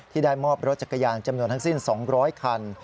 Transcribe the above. ได้มอบรถจักรยานจำนวนทั้งสิ้น๒๐๐คัน